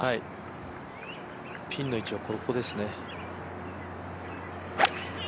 ピンの位置はここですね。